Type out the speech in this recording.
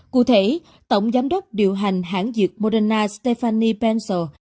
cụ thể tổng giám đốc điều hành hãng dược moderna stephanie pencil